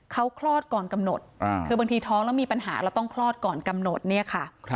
เขาคลอดก่อนกำหนดคือบางทีท้องแล้วมีปัญหาแล้วต้องคลอดก่อนกำหนดเนี่ยค่ะ